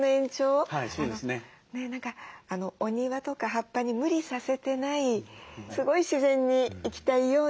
何かお庭とか葉っぱに無理させてないすごい自然に生きたいように。